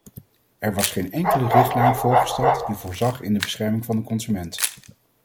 Er was geen enkele richtlijn voorgesteld die voorzag in de bescherming van de consument.